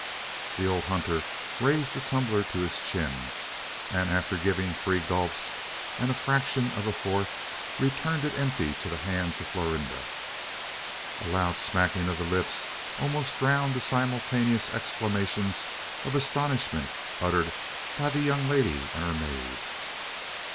The old hunter raised the tumbler to his chin; and after giving three gulps, and the fraction of a fourth, returned it empty into the hands of Florinda. A loud smacking of the lips almost drowned the simultaneous exclamations of astonishment uttered by the young lady and her maid.